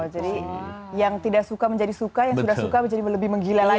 jadi yang tidak suka menjadi suka yang sudah suka menjadi lebih menggila lagi ya